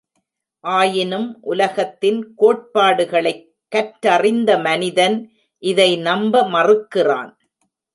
ஆயினும் உலகத்தின் கோட்பாடுகளைக் கற்றறிந்த மனிதன் இதை நம்ப மறுக்கிறான்.